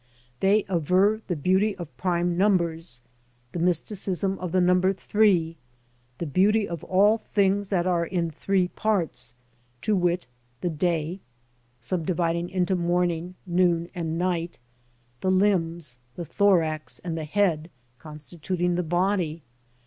They aver the beauty of prime numbers, the mysticism of the number three, the beauty of all things that are in three parts, ŌĆö to wit, the day, subdividing into morning, noon, and night; the limbs, the thorax, and the head, constituting the body.